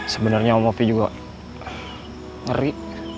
sebenernya om ovi juga ngeri